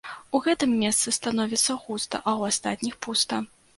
У гэтым месцы становіцца густа, а ў астатніх пуста.